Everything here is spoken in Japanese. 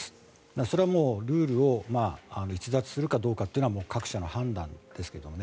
それはルールを逸脱するかどうかというのは各社の判断ですけどもね。